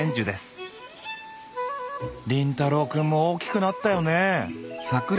凛太郎くんも大きくなったよね！